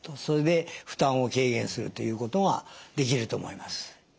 それで負担を軽減するということができると思います。